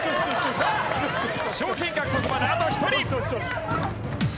さあ賞金獲得まであと１人。